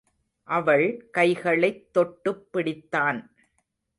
அவள் கைகளைத் தொட்டுப் பிடித்தான்.